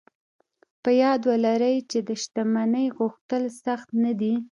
په یاد و لرئ چې د شتمنۍ غوښتل سخت نه دي